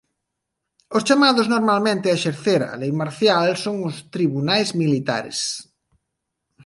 Os chamados normalmente a exercer a lei marcial son os tribunais militares.